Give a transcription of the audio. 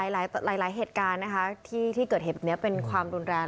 หลายเหตุการณ์นะคะที่เกิดเหตุแบบนี้เป็นความรุนแรง